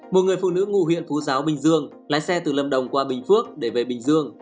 một người phụ nữ ngụ huyện phú giáo bình dương lái xe từ lâm đồng qua bình phước để về bình dương